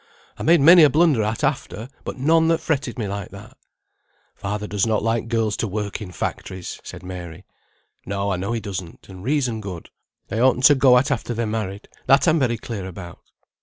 I made many a blunder at after, but none that fretted me like that." "Father does not like girls to work in factories," said Mary. "No, I know he doesn't; and reason good. They oughtn't to go at after they're married, that I'm very clear about.